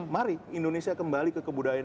mari indonesia kembali ke kebudayaan